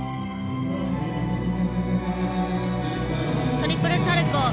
トリプルサルコー。